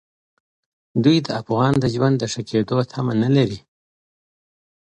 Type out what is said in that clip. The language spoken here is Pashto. دوی د افغان د ژوند د ښه کېدو تمه نه لري.